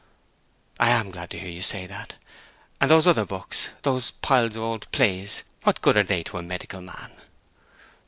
"I am so glad to hear you say that. And those other books—those piles of old plays—what good are they to a medical man?"